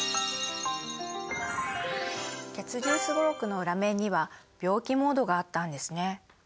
「血流すごろく」の裏面には病気モードがあったんですね。